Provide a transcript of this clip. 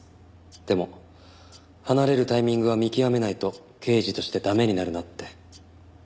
でも離れるタイミングは見極めないと刑事として駄目になるなって。